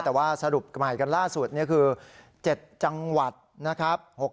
แต่ว่าสรุปใหม่กันล่าสุดนี่คือ๗จังหวัดนะครับ